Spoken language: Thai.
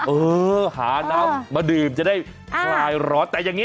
เออหาน้ำมาดื่มจะได้คลายร้อนแต่อย่างนี้